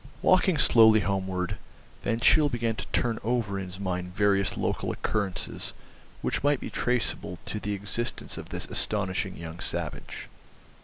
Walking slowly homeward, Van Cheele began to turn over in his mind various local occurrences which might be traceable to the existence of this astonishing young savage.